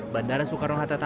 bandara soekarong hatta tampil